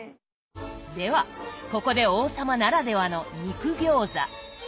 ではここで王様ならではの肉餃子。